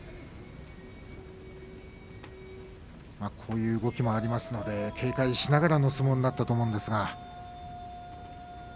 こういう動きもありますので警戒しながらの相撲になったと思うんですが。